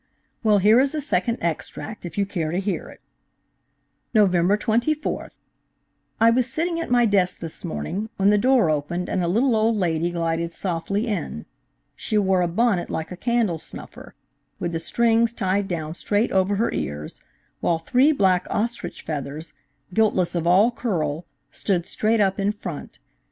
"Well, here is a second extract, if you care to hear it." Nov. 24th.–" I was sitting at my desk this morning, when the door opened and a little old lady glided softly in. She wore a bonnet like a candle snuffer, with the strings tied down straight over her ears, while three black ostrich feathers, guiltless of all curl, stood straight up in front.